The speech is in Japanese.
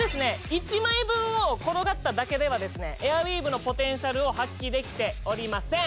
１枚分を転がっただけではですねエアウィーヴのポテンシャルを発揮できておりません